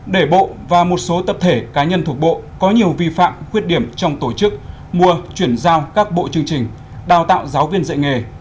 ba để bộ và một số tập thể cá nhân thuộc bộ có nhiều vi phạm khuyết điểm trong tổ chức mua chuyển giao các bộ chương trình đào tạo giáo viên dạy nghề